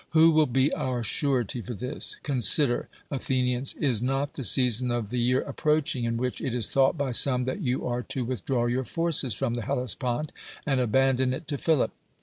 Who will be our surety for this? Consider, Athe nians, is not the season of the year approaching in which it is thought by some that you are to withdraw your forces from the Hellespont, and abandon it to Philip?